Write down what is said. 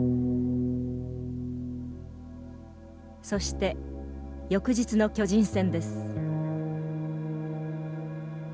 そして翌日の巨人戦です。